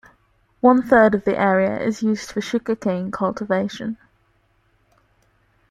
One third of the area is used for sugar cane cultivation.